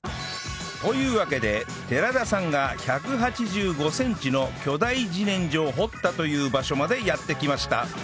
というわけで寺田さんが１８５センチの巨大自然薯を掘ったという場所までやって来ました